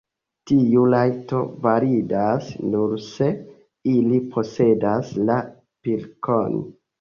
Tiu rajto validas, nur se ili posedas la pilkon.